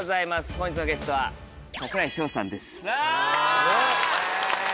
本日のゲストは櫻井翔さんです。